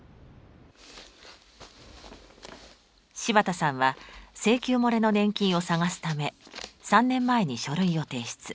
柴田さんは請求もれの年金を探すため３年前に書類を提出。